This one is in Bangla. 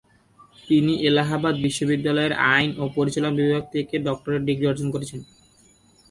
তিনি এলাহাবাদ বিশ্ববিদ্যালয়ের আইন ও পরিচালনা বিভাগ থেকে ডক্টরেট ডিগ্রি অর্জন করেছেন।